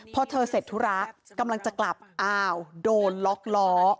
พอเธอเสร็จธุระกำลังจะกลับอ้าวโดนล็อกล้อ